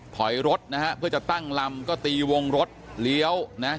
ถอยรถนะฮะเพื่อจะตั้งลำก็ตีวงรถเลี้ยวนะ